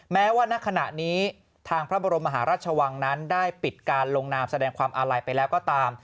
แม้ว่าณขณะนี้ทางพระบรมมหาราชวังนั้นได้ปิดการลงนามแสดงความอาลัยไปแล้วก็ตาม